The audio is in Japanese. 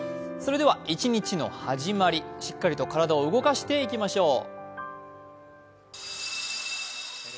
それでは一日の始まり、しっかりと体を動かしていきましょう。